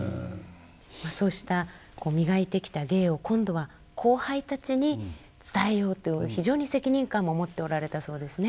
そうした磨いてきた芸を今度は後輩たちに伝えようと非常に責任感も持っておられたそうですね。